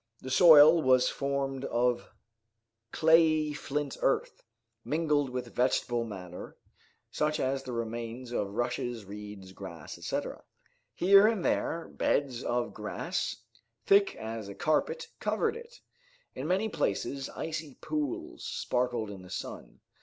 The soil was formed of clayey flint earth, mingled with vegetable matter, such as the remains of rushes, reeds, grass, etc. Here and there beds of grass, thick as a carpet, covered it. In many places icy pools sparkled in the sun.